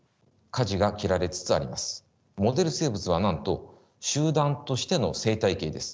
モデル生物はなんと集団としての生態系です。